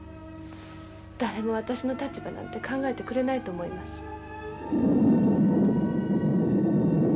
誰も私の立場なんて考えてくれないと思います。